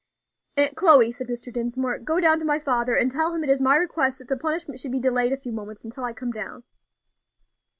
"Aunt Chloe," said Mr. Dinsmore, "go down to my father, and tell him it is my request that the punishment should be delayed a few moments until I come down."